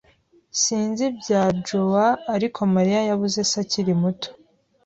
S Sinzi ibya João, ariko Maria yabuze se akiri muto.